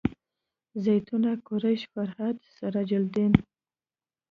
زیتونه قریشي فرهاد سراج الدین